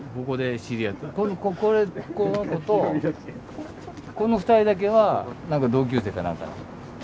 これこの子とこの２人だけはなんか同級生かなんか。